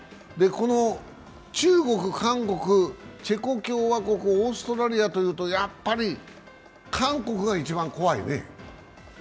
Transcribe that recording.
中国、韓国、チェコ共和国、オーストラリアというと、やっぱり韓国が一番怖いね。